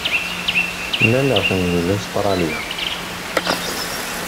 Mlaleɣ-ten deg Ustṛalya.